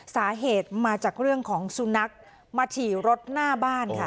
สาเหตุมาจากเรื่องของสุนัขมาฉี่รถหน้าบ้านค่ะ